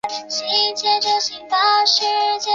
它可用于帮助从矿石中分离钼。